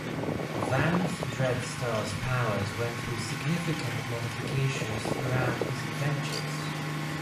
Vanth Dreadstar's powers went through significant modifications throughout his adventures.